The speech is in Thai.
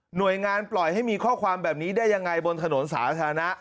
หน่วยงานปล่อยให้มีข้อความแบบนี้ได้ยังไงบนถนนสาธารณะ